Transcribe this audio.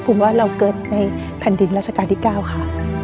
ผมว่าเราเกิดในแผ่นดินรัชกาลที่๙ค่ะ